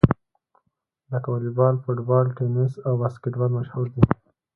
لکه واليبال، فوټبال، ټېنیس او باسکیټبال مشهورې دي.